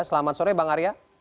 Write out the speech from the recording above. selamat sore bang arya